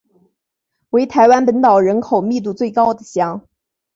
为台湾本岛人口密度最高的乡。